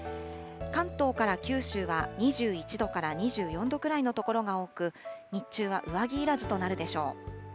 関東から九州は２１度から２４度くらいの所が多く、日中は上着いらずとなるでしょう。